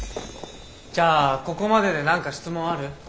じゃあここまでで何か質問ある？